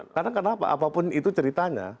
karena kenapa apapun itu ceritanya